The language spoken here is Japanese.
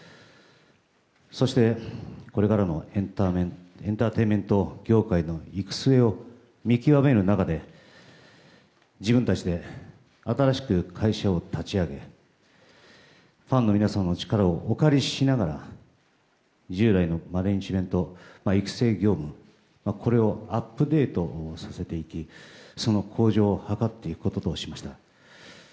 そして、これからのエンターテインメント業界の行く末を見極める中で自分たちで新しく会社を立ち上げファンの皆様の力をお借りしながら従来のアレンジメント育成業務をアップデートさせていきその向上を図っていくこととしました。